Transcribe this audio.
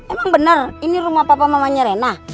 emang bener ini rumah papa mamanya rena